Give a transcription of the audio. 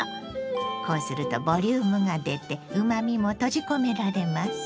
こうするとボリュームが出てうまみも閉じ込められます。